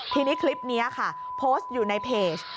ทีนี้คลิปนี้ค่ะโพสต์อยู่ในเพจ